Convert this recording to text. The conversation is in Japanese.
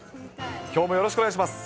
きょうもよろしくお願いします。